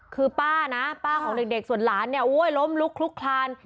คือป้านะป้าของเด็กส่วนหลานเนี่ยโอ้ยล้มลุกลุกคลาน